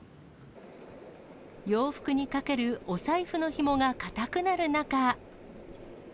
洋服にかけるお財布のひもが固くなる中。